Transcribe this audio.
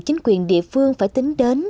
chính quyền địa phương phải tính đến